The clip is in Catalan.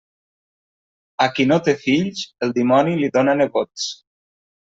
A qui no té fills, el dimoni li dóna nebots.